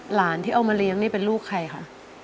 หลานที่เอามาเลี้ยงนี่เป็นลูกใครคะ